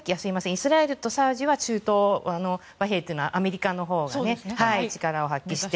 イスラエルとサウジは中東和平というのは力を発揮して。